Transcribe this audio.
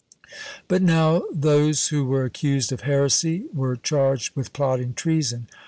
But now those who were accused of heresy were charged with plotting treason.